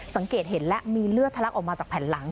สังเกตเห็นแล้วมีเลือดทะลักออกมาจากแผ่นหลัง